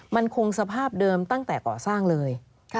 มันคงสภาพเดิมตั้งแต่ก่อสร้างเลย